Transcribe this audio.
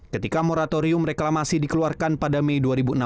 ketika moratorium reklamasi dikeluarkan pada mei dua ribu enam belas